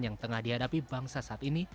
yang tengah dihadapi bangsa saat ini